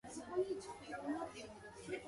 The seven on board got out safely.